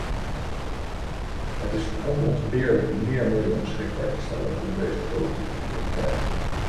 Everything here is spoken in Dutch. Het is onontbeerlijk meer middelen beschikbaar te stellen voor deze politieke prioriteit.